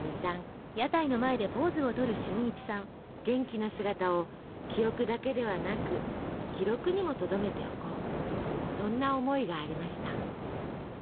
元気な姿を記憶だけではなく記録にもとどめておこうそんな思いがありました。